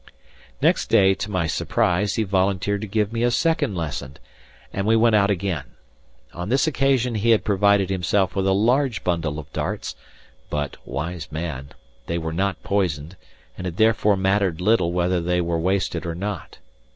Next day, to my surprise, he volunteered to give me a second lesson, and we went out again. On this occasion he had provided himself with a large bundle of darts, but wise man! they were not poisoned, and it therefore mattered little whether they were wasted or not.